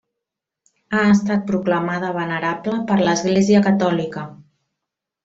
Ha estat proclamada venerable per l'Església catòlica.